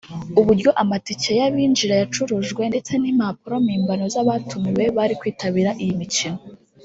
uburyo amatike y’abinjira yacurujwe ndetse n’impapuro mpimbano z’abatumiwe bari kwitabira iyi mikino